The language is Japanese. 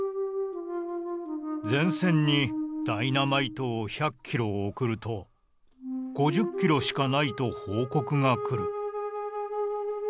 「前線にダイナマイトを百キロおくると５０キロしかないと報告が来る。